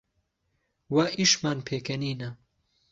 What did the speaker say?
وا ئیشمان پێکەنینە